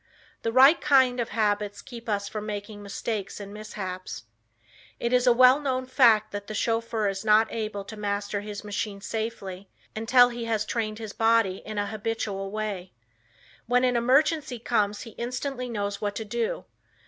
The right kind of habits keeps us from making mistakes and mishaps. It is a well known fact that a chauffeur is not able to master his machine safely until he has trained his body in a habitual way. When an emergency comes he instantly knows what to do.